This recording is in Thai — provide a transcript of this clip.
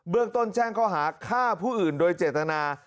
เรื่องต้นแจ้งข้อหาฆ่าผู้อื่นโดยเจตนา